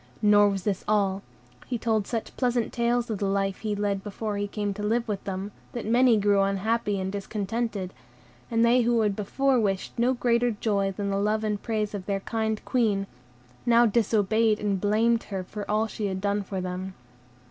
Nor was this all; he told such pleasant tales of the life he led before he came to live with them, that many grew unhappy and discontented, and they who had before wished no greater joy than the love and praise of their kind Queen, now disobeyed and blamed her for all she had done for them.